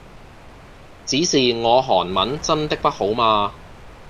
只是我韓文真的不好嘛